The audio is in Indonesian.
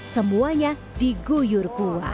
semuanya diguyur kuah